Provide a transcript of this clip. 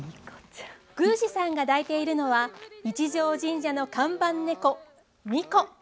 宮司さんが抱いているのは一條神社の看板猫、ミコ。